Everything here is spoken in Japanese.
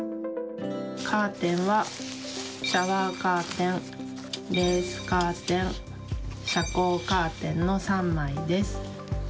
カーテンは、シャワーカーテン、レースカーテン、遮光カーテンの３枚です。